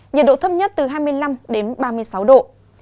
nhiệt độ thấp nhất từ hai mươi năm đến ba mươi sáu độ